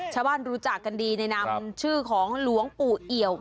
รู้จักกันดีในนามชื่อของหลวงปู่เอี่ยว